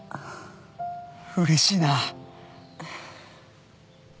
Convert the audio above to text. うれしいな。